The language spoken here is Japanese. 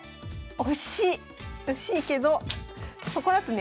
惜しいけどそこだとね